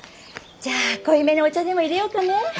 じゃあ濃いめのお茶でもいれようかね。